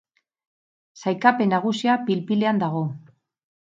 Saikapen nagusia pil-pilean dago.